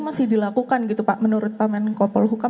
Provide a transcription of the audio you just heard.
masih dilakukan gitu pak menurut pak menko polhukam